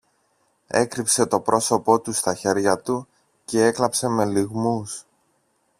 έκρυψε το πρόσωπο του στα χέρια του κι έκλαψε με λυγμούς.